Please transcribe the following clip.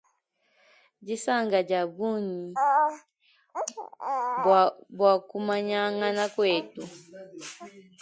Disanka dia bungi buaku manyangana kuetu.